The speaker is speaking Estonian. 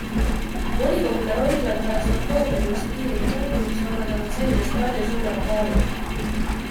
Volikogude roll on pärast oktoobrikuist piiride muutumist omandanud senisest palju suurema kaalu.